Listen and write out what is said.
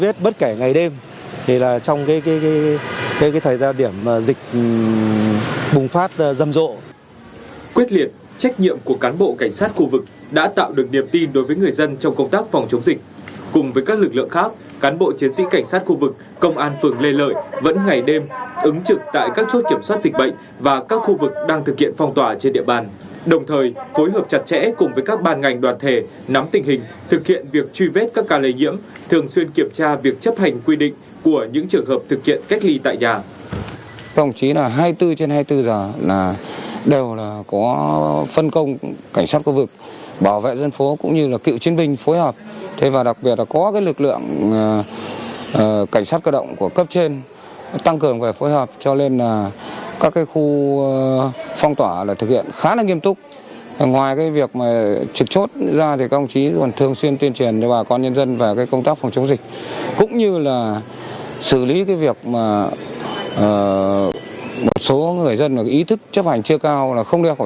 với tinh thần vì nhân dân phục vụ cán bộ chiến sĩ cảnh sát khu vực công an phường lê lợi vẫn ngày đêm ứng trực tại các chốt kiểm soát dịch bệnh và các khu vực đang thực hiện cách ly tại nhà